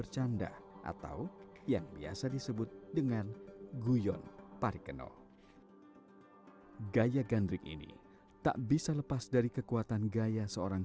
bercanda atau yang biasa disebut dengan guyon parikeno gaya gandrik ini tak bisa lepas dari kekuatan gaya seorang